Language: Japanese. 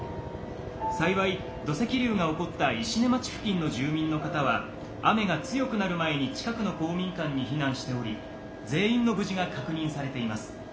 幸い土石流が起こった石音町付近の住民の方は雨が強くなる前に近くの公民館に避難しており全員の無事が確認されています」。